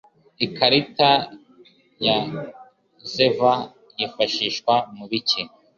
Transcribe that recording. Ikarita ya Zever Yifashishwa mu biki?